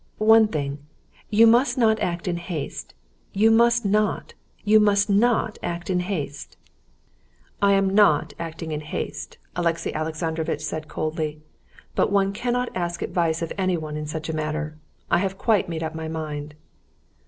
One thing: you must not act in haste. You must not, you must not act in haste!" "I am not acting in haste," Alexey Alexandrovitch said coldly, "but one cannot ask advice of anyone in such a matter. I have quite made up my mind."